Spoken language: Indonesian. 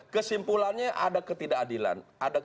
kesimpulannya ada ketidakadilan